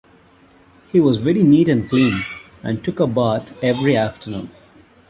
He was very neat and clean, and took a bath every afternoon.